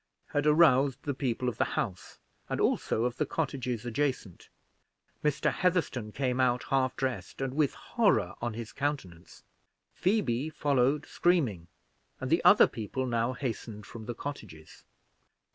had aroused the people of the house, and also of the cottages adjacent. Mr. Heatherstone came out half dressed, and with horror on his countenance. Phoebe followed screaming, and the other people now hastened from the cottages.